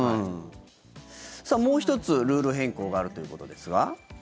もう１つルール変更があるということですが。